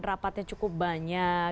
rapatnya cukup banyak